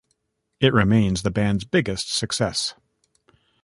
It remains the band's biggest success.